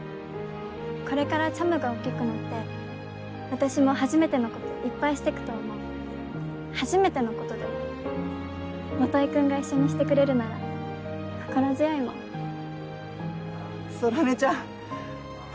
これからちゃむが大きくなって私も初めてのこといっぱいしてくと思う初めてのことでも基くんが一緒にしてくれるなら心強いもん空音ちゃん